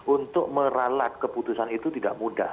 untuk meralat keputusan itu tidak mudah